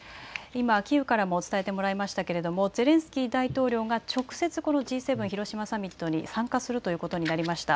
今キーウからも伝えてもらいましたけれどもゼレンスキー大統領が直接Ｇ７広島サミットに参加するということになりました。